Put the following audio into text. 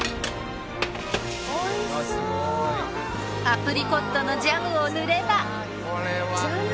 アプリコットのジャムを塗れば。